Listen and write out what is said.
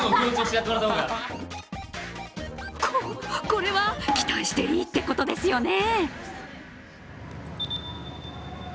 こ、これは期待していいってことですよね？